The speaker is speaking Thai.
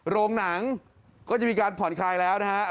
โรงหนังก็จะมีการผ่อนคลายแล้วนะฮะ